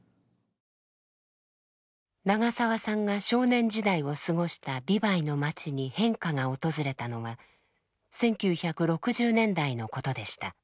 長澤さんが少年時代を過ごした美唄の町に変化が訪れたのは１９６０年代のことでした。